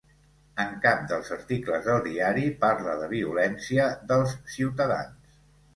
En cap dels articles del diari parla de violència dels ciutadans.